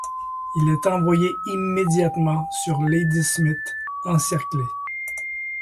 Il est envoyé immédiatement sur Ladysmith encerclé.